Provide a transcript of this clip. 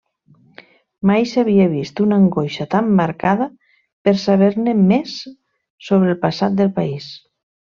Mai s'havia vist una angoixa tan marcada per saber-ne més sobre el passat del país.